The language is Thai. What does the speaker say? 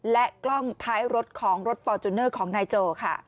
และกล้องท้ายรถของรถฟอร์จูเนอร์ของนายโจค่ะ